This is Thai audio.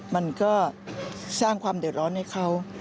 มันก็สร้างความเดือดร้อนให้เขา